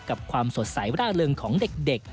ความสดใสร่าเริงของเด็ก